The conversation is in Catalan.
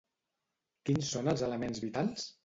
Quins són els elements vitals?